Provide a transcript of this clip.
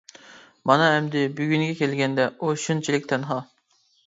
مانا ئەمدى بۈگۈنگە كەلگەندە، ئۇ شۇنچىلىك تەنھا.